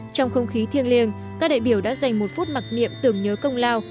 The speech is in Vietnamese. trong không khí thiêng liêng các đại biểu đã dành một phút mặc niệm tưởng nhớ công lao